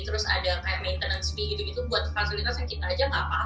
terus ada kayak maintenance fee gitu gitu buat fasilitasnya kita aja nggak apa apa